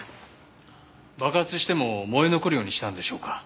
爆発しても燃え残るようにしたんでしょうか？